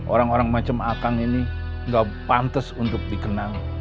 orang orang macam akang ini gak pantas untuk dikenang